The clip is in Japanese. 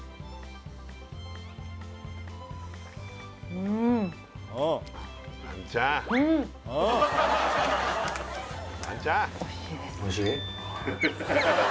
うんっおいしい？